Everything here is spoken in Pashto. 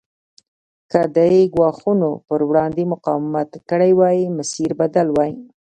که دې ګواښونو پر وړاندې مقاومت کړی وای مسیر بدل وای.